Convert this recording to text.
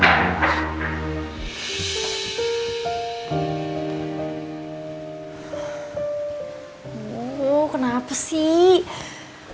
oh kenapa sih